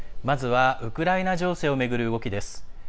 まずはウクライナ情勢を巡る動きです。